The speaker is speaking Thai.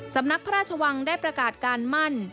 สำนักพระราชวังได้ประกาศการมั่น